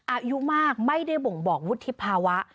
อายุมากไม่ได้บ่งบอกวุฒิภาวะ